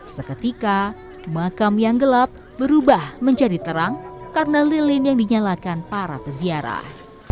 seketika makam yang gelap berubah menjadi terang karena lilin yang dinyalakan para peziarah